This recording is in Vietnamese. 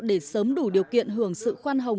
để sớm đủ điều kiện hưởng sự khoan học